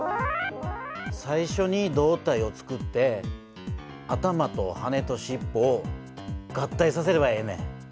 最初に胴体をつくって頭と羽としっぽを合体させればええねん。